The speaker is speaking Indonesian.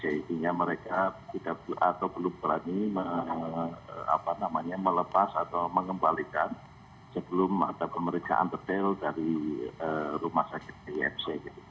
sehingga mereka tidak atau belum berani melepas atau mengembalikan sebelum ada pemeriksaan kecil dari rumah sakit bimc